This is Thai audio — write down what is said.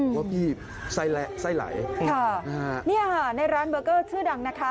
เพราะพี่ใส่แหละใส่ไหลค่ะนี่ฮะในร้านเบอร์เกอร์ชื่อดังนะคะ